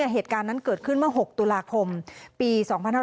เหตุการณ์นั้นเกิดขึ้นเมื่อ๖ตุลาคมปี๒๕๕๙